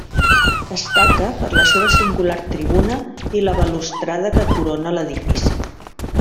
Destaca per la seva singular tribuna i la balustrada que corona l'edifici.